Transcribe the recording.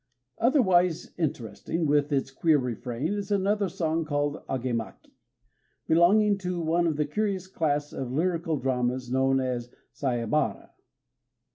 Otherwise interesting, with its queer refrain, is another song called "Agémaki," belonging to one of the curious class of lyrical dramas known as Saibara.